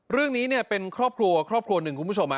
เรื่องนี้เป็นครอบครัวครอบครัวหนึ่งคุณผู้ชม